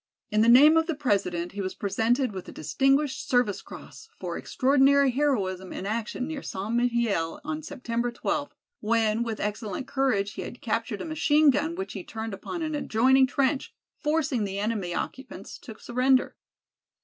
In the name of the President he was presented with the Distinguished Service Cross for extraordinary heroism in action near St. Mihiel on September 12 when with excellent courage he had captured a machine gun which he turned upon an adjoining trench forcing the enemy occupants to surrender.